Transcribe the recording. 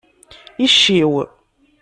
Icciw.